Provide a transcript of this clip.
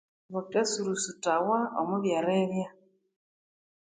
Bakasurusuthawa omwa ebyerirya